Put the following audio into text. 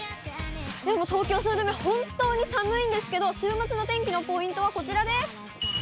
でも東京・汐留、本当に寒いんですけど、週末の天気のポイントはこちらです。